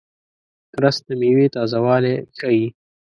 رس د میوې تازهوالی ښيي